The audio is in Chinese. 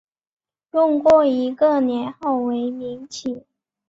用过一个年号为明启。